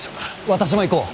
私も行こう。